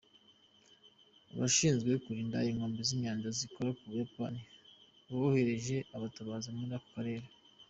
Abashinzwe kurinda inkombe z'inyanja zikora ku Buyapani bohereje abatabazi muri ako karere.